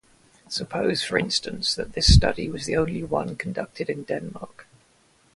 Suppose, for instance, that this study was the only one conducted in Denmark.